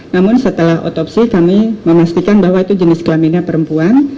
namun setelah otopsi kami memastikan bahwa itu jenis kelaminnya perempuan